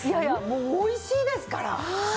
もうおいしいですから。